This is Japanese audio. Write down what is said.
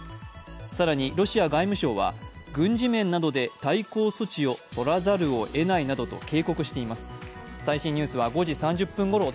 更にロシア外務省は軍事面などで対抗措置をとらざるをえないなどと警告しています。